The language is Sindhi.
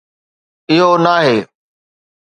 اھو ناھي